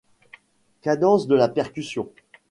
Cadence de la percussion.